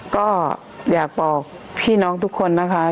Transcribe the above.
ก็อยากบอกพี่น้องทุกคนนะคะ